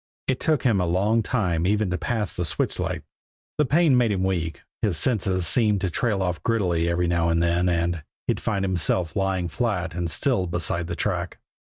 It took him a long time even to pass the switch light. The pain made him weak, his senses seemed to trail off giddily every now and then, and he'd find himself lying flat and still beside the track.